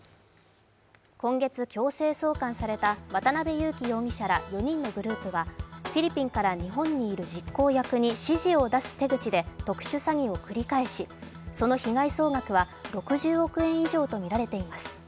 今月、強制送還された渡辺優樹容疑者ら４人のグループはフィリピンから日本にいる実行役に指示を出す手口で特殊詐欺を繰り返し、その被害総額は６０億円以上とみられています。